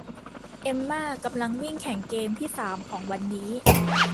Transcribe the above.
เอมม่ากำลังวิ่งแข่งเกมที่สามของวันนี้